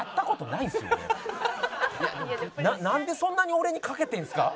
なんでそんなに俺に賭けてるんですか？